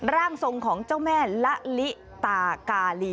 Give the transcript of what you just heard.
ร่างทรงของเจ้าแม่ละลิตากาลี